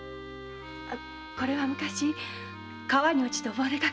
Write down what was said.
これは昔川に落ちて溺れかけたときに。